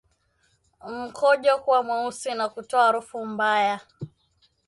Mkojo kuwa mweusi na kutoa harufu mbaya